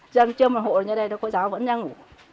dân chưa mở hộ như đây cô giáo vẫn đang ngủ